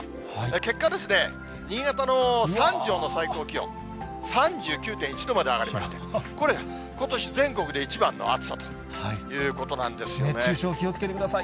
結果ですね、新潟の三条の最高気温、３９．１度まで上がりまして、これ、ことし、全国で一番の暑さ熱中症、気をつけてください。